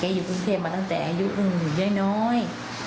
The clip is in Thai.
แกอยู่กรุงเทพฯมาตั้งแต่อายุหนึ่งเยอะน้อย